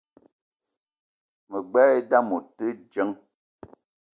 Me gbelé idam ote djeng